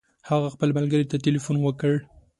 هغه خپل ملګري ته تلیفون وکړ.